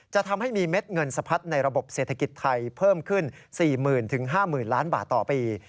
ทำให้มีเม็ดเงินสะพัดในระบบเศรษฐกิจไทยเพิ่มขึ้น๔๐๐๐๕๐๐๐ล้านบาทต่อปี